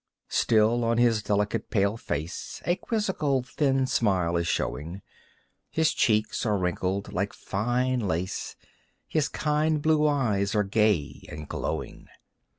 Still on his delicate pale face A quizzical thin smile is showing, His cheeks are wrinkled like fine lace, His kind blue eyes are gay and glowing.